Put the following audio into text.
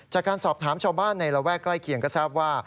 จากการสอบถามชาวบ้านในระแวกใกล้เคียงก็ทราบว่า